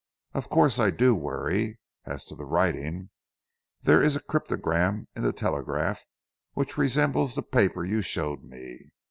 Of course I do worry. As to the writing, there is a cryptogram in the 'Telegraph' which resembles the paper you showed me.